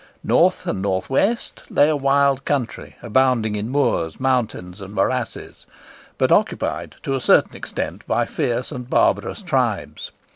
North and north west lay a wild country, abounding in moors, mountains, and morasses, but occupied to a certain extent by fierce and barbarous tribes.